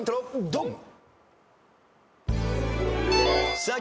ドン！